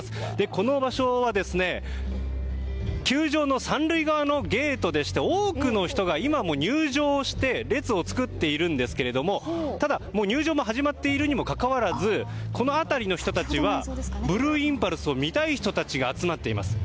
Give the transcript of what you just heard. この場所は球場の３塁側のゲートでして多くの人が今も入場して列を作っているんですけどただ、もう入場も始まっているにもかかわらずこの辺りの人たちはブルーインパルスを見たい人たちが集まっています。